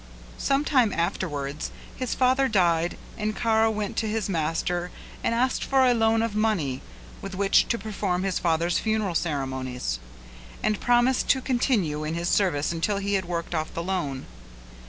Some time afterwards his father died and Kara went to his master and asked for a loan of money with which to perform his father's funeral ceremonies, and promised to continue in his service until he had worked off the loan.